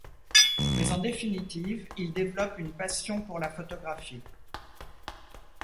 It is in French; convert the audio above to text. Mais en définitive, il développe une passion pour la photographie.